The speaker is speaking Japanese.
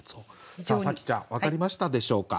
紗季ちゃん分かりましたでしょうか？